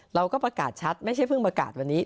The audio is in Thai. เราก็ประกาศชัดไม่ใช่เพิ่งประกาศวันนี้